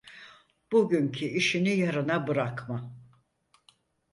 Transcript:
Bugünkü işini yarına bırakma.